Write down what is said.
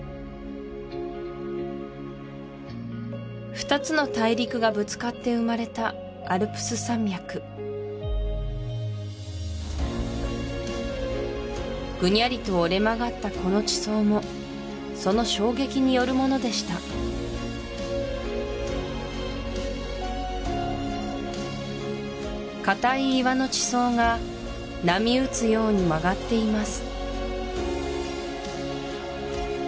２つの大陸がぶつかって生まれたアルプス山脈ぐにゃりと折れ曲がったこの地層もその衝撃によるものでした硬い岩の地層が波打つように曲がっています